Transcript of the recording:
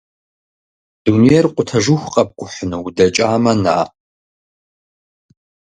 Дунейр къутэжыху къэпкӀухьыну удэкӀамэ, на!